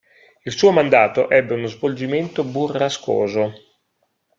Il suo mandato ebbe uno svolgimento burrascoso.